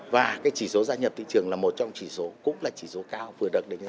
và chỉ số gia nhập thị trường là một trong chỉ số cũng là chỉ số cao vừa được đánh giá